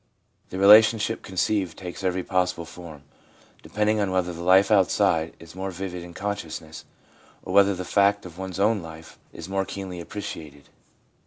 The relationship conceived takes every possible form, depending on whether the life outside is more vivid in consciousness or whether the fact of one's own life is more keenly appreciated.